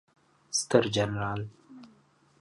ستر جنرال